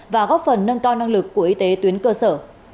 và góp phần nâng cao năng lực của y tế tuyến cơ sở